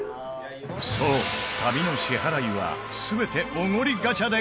そう、旅の支払いは全てオゴリガチャで決定